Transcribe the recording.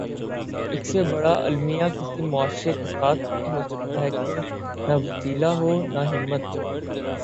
اس سے بڑا المیہ کسی معاشرے کے ساتھ کیا ہو سکتاہے کہ نہ وسیلہ ہو نہ ہمت۔